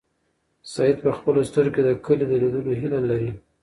سعید په خپلو سترګو کې د کلي د لیدلو هیله لري.